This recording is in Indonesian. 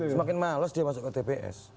semakin malas dia masuk ke tps